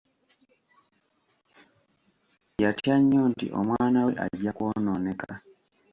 Yatya nnyo nti omwana we ajja kwonooneka.